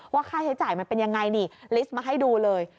ว่าค่าใช้จ่ายมันเป็นยังไงนี่มาให้ดูเลย